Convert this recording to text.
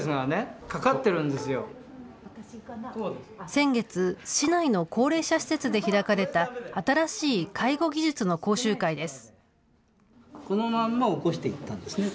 先月、市内の高齢者施設で開かれた、新しい介護技術の講習会です。